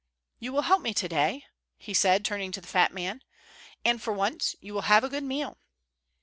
"You will help me to day?" he said, turning to the fat man; "and for once you will have a good meal."